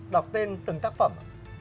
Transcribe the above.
đọc tên từng tác phẩm